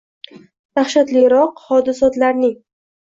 Dahshatliroq hodisotlarning